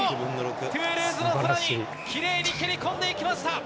トゥールーズの空に、きれいに蹴り込んでいきました。